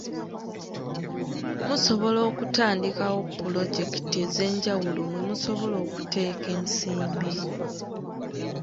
Musobola okutandikawo Pulojekiti ez'enjawulo mwe musobola okuteeka ensimbi.